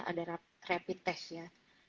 ada rapid test ya